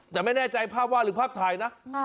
แต่ไม่แน่ใจภาพวาดหรือภาพถ่ายนะ